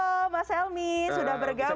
halo mas helmi sudah bergabung